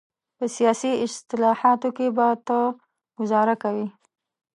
په سیاسي اصطلاحاتو کې به ته ګوزاره کوې.